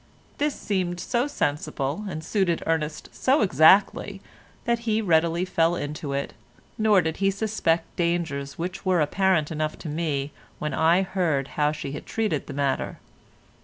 This seemed so sensible, and suited Ernest so exactly that he readily fell into it, nor did he suspect dangers which were apparent enough to me when I heard how she had treated the matter.